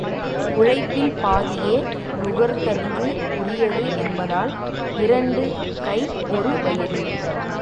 உழைப்பில் பாதியே நுகர்தற்கு உரியது என்பதால் இரண்டு கை ஒரு வயிறு.